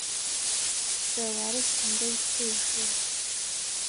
د وارث تندی تریو شو.